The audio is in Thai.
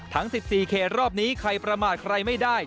ทั้ง๑๔เขตรอบนี้ใครประมาทใครไม่ได้